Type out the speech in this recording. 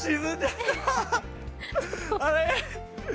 あれ？